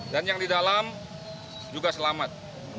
dan yang di dalam juga selamat